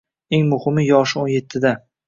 Eng muhimi, yoshi o`n ettida